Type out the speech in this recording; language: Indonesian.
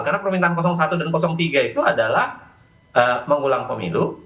karena permintaan satu dan tiga itu adalah mengulang pemilu